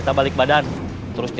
ya udah dia sudah selesai